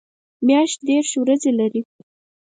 میاشت دېرش ورځې لري